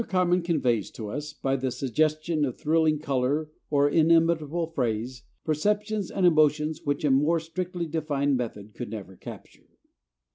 Carman conveys to us, by the suggestion of thrilling color or inimitable phrase, perceptions and emotions which a more strictly defined method could never capture.